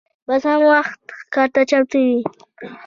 باز هر وخت ښکار ته چمتو وي